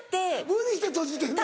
無理して閉じてんの？